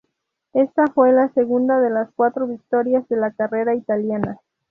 Esta fue la segunda de las cuatro victorias de la carrera italiana.